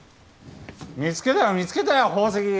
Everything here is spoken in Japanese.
見つけたよ見つけたよ宝石！